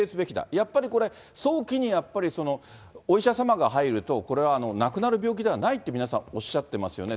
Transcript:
やっぱりこれは早期にお医者様が入ると、これは亡くなる病気ではないと、皆さんおっしゃってますよね。